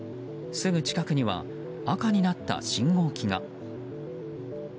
すぐ近くには赤になった信号機が。